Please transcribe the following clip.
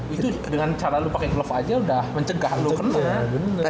itu dengan cara lo pake glove aja udah mencegah lo kena